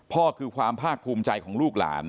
คือความภาคภูมิใจของลูกหลาน